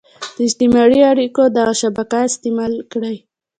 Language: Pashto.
د اجتماعي اړيکو دغه شبکه استعمال کړي.